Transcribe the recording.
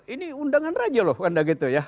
ini undangan raja loh anda gitu ya